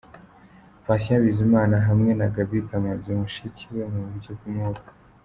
Patient Bizimana hamwe na Gaby Kamanzi mushiki we mu buryo bw'umwuka .